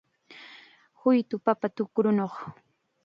Huytu papa tukrunaw